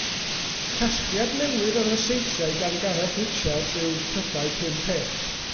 Casgliad newydd o ryseitiau gan Gareth Richards yw Prydau Pum Peth.